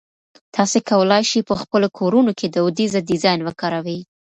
تاسي کولای شئ په خپلو کورونو کې دودیزه ډیزاین وکاروئ.